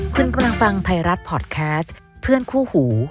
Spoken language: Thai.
คุณกำลังฟังไทยรัฐพอร์ตแคสต์เพื่อนคู่หู